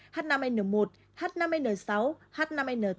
h năm n một h năm n sáu h năm n tám h ba n hai h chín n hai h một mươi n ba